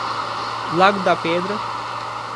Lago da Pedra